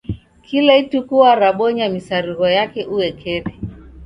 Kila ituku warabonya misarigho yape uekeri.